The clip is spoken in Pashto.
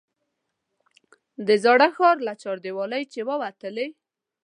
د زاړه ښار له چاردیوالۍ چې ووتلې.